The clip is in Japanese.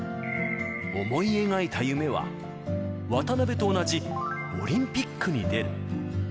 思い描いた夢は、渡辺と同じオリンピックに出る。